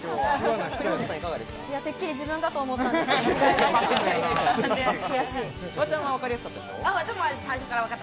てっきり自分だと思ってたんですけど違いました。